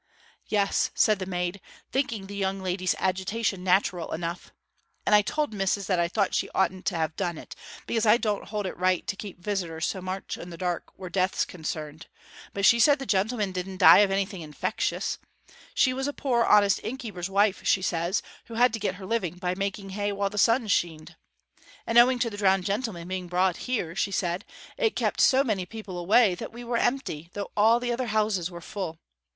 'Yes,' said the maid, thinking the young lady's agitation natural enough. 'And I told missis that I thought she oughtn't to have done it, because I don't hold it right to keep visitors so much in the dark where death's concerned; but she said the gentleman didn't die of anything infectious; she was a poor, honest, innkeeper's wife, she says, who had to get her living by making hay while the sun sheened. And owing to the drowned gentleman being brought here, she said, it kept so many people away that we were empty, though all the other houses were full.